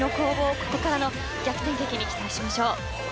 ここからの逆転劇に期待しましょう。